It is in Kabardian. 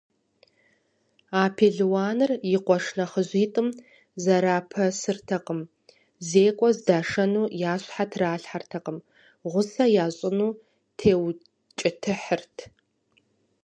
А пелуаныр и къуэш нэхъыжьитӏым зэрапэсыртэкъым: зекӏуэ здашэну я щхьэ тралъхьэртэкъым, гъусэ ящӏыну теукӏытыхьырт.